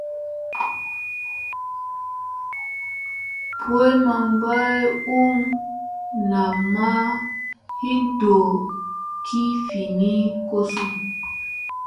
Boy ma bay um namma hin do kivini kosu.